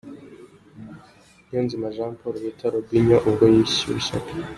Niyonzima Jean Paul bita Robinho ubwo yishyushyaga .